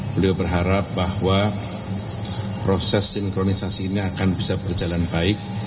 beliau berharap bahwa proses sinkronisasi ini akan bisa berjalan baik